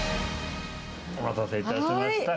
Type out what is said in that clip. お待たせいたしました。